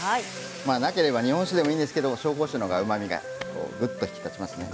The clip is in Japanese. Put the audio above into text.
なければ日本酒でもいいんですが紹興酒の方がうまみが引き立ちますね。